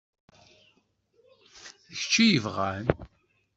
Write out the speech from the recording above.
D kečč i yebɣan.